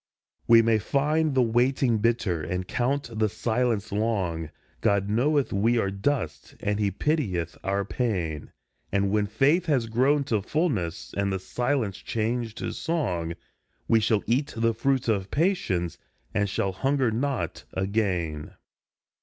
We may find the waiting bitter, and count the silence long, God knoweth we are dust, and he pitieth our pain ; And when faith has grown to fulness, and the silence changed to song, We shall eat the fruit of patience, and shall hunger not again.